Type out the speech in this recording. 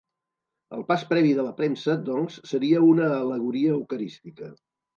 El pas previ de la premsa, doncs, seria una al·legoria eucarística.